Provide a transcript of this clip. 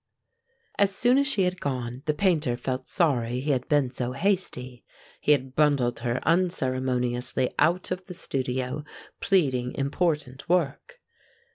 As soon as she had gone, the Painter felt sorry he had been so hasty. He had bundled her unceremoniously out of the studio, pleading important work.